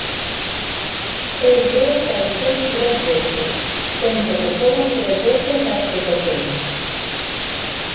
Eu creo que avisei tres veces, penso que foron tres veces as que toquei.